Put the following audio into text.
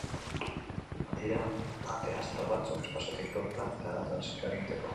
Badira ate astral batzuk, espaziotik lur pplanetara transizioa egiteko.